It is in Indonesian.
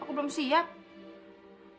aku belum siap